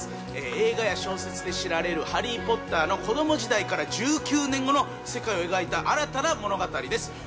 映画や小説で知られる「ハリー・ポッター」の子供時代から１９年後の世界を描いた新たな物語です。